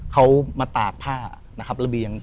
เขามาตากผ้าระเบียง